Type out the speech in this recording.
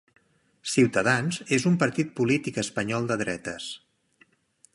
Ciutadans és un partit polític espanyol de dretes.